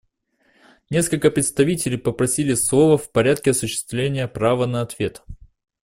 Несколько представителей попросили слова в порядке осуществления права на ответ.